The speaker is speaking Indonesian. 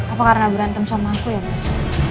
apa karena berantem sama aku ya mas